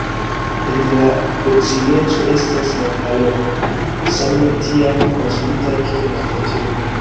En la proksimeco estas la paroĥo, same tiam konstruita, kiel la preĝejo.